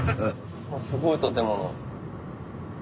すごい建物。